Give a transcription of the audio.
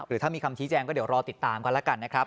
ถ้ามีคำชี้แจงก็เดี๋ยวรอติดตามกันแล้วกันนะครับ